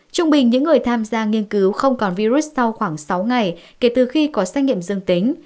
trung bình những người tham gia nghiên cứu không còn virus sau khoảng sáu ngày kể từ khi có xét nghiệm dương tính